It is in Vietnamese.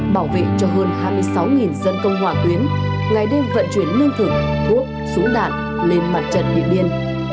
bảo vệ cho hơn hai mươi sáu dân công hòa tuyến ngày đêm vận chuyển nương thực thuốc súng đạn lên mặt trận địa biên